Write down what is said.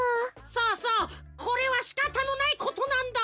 そうそうこれはしかたのないことなんだ。